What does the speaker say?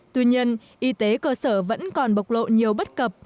tuy nhiên y tế cơ sở vẫn còn bộc lộ nhiều bất cập